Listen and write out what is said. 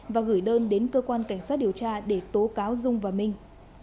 và gửi đơn đến cơ quan cảnh sát điều tra để tố cáo dung và minh